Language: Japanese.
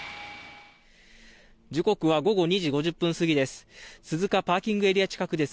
時刻は午後２時５０分過ぎです。